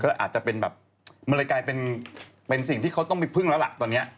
ก็อาจจะเป็นแบบมันเลยกลายเป็นสิ่งที่เขาต้องไปพึ่งแล้วล่ะตอนนี้